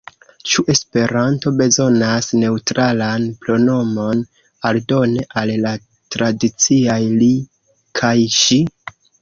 Ĉu Esperanto bezonas neŭtralan pronomon, aldone al la tradiciaj li kaj ŝi?